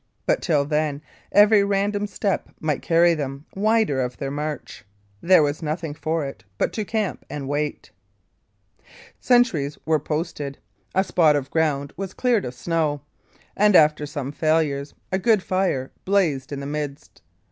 But till then, every random step might carry them wider of their march. There was nothing for it but to camp and wait. Sentries were posted; a spot of ground was cleared of snow, and, after some failures, a good fire blazed in the midst.